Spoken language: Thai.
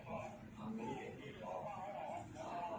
โปรดติดตามตอนต่อไป